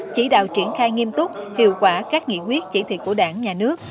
chỉ đạo triển khai nghiêm túc hiệu quả các nghị quyết chỉ thị của đảng nhà nước